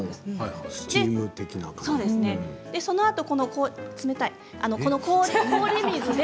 そのあと冷たい。